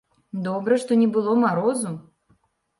Добра, што не было марозу!